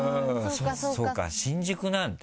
そうか新宿なんて。